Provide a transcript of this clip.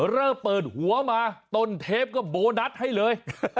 เริ่มเปิดหัวมาต้นเทปก็โบนัสให้เลย